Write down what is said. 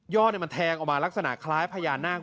มันแทงออกมาลักษณะคล้ายพญานาค